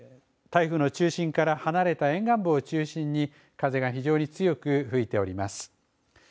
台風の中心から離れた沿岸部を中心に風が非常に強く吹いております。